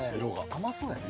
甘そうやね。